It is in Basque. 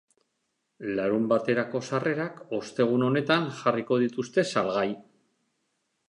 Larunbaterako sarrerak ostegun honetan jarriko dituzte salgai.